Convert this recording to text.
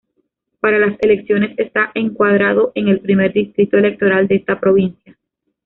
Para las elecciones está encuadrado en el Primer Distrito Electoral de esta provincia.